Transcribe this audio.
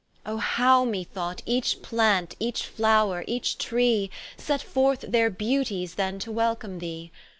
Oh how me thought each plant, each floure, each tree Set forth their beauties then to welcome thee!